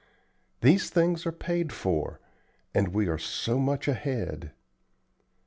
These things are paid for, and we are so much ahead.